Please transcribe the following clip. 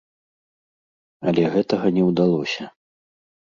Але гэтага не ўдалося.